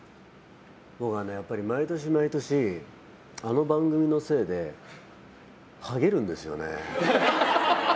僕は毎年毎年あの番組のせいでハゲるんですよね。